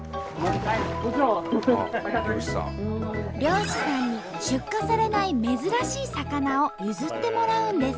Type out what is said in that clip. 漁師さんに出荷されない珍しい魚を譲ってもらうんです。